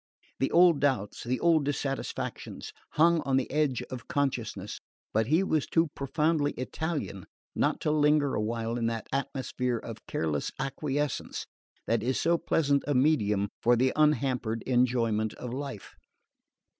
The old doubts, the old dissatisfactions, hung on the edge of consciousness; but he was too profoundly Italian not to linger awhile in that atmosphere of careless acquiescence that is so pleasant a medium for the unhampered enjoyment of life.